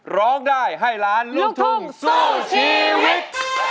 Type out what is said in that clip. ร้องได้ให้ล้านลูกทุ่งสู้ชีวิต